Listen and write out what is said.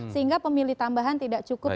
sehingga pemilih tambahan tidak cukup